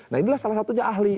nah inilah salah satunya ahli